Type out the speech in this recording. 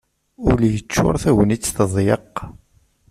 Ul yeččur, tagnit teḍyeq.